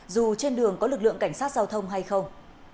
dù trên đường có lực lượng cảnh sát giao thông hay không